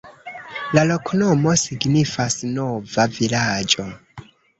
La loknomo signifas: nova vilaĝo.